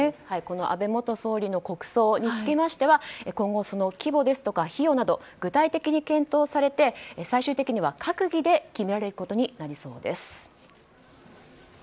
安倍元総理の国葬については今後、規模や費用など具体的に検討されて最終的に閣議で決められることになりそうです。